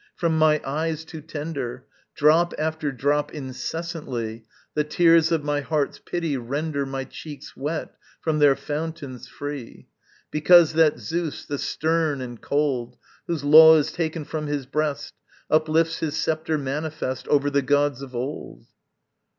From my eyes too tender, Drop after drop incessantly The tears of my heart's pity render My cheeks wet from their fountains free; Because that Zeus, the stern and cold, Whose law is taken from his breast, Uplifts his sceptre manifest Over the gods of old.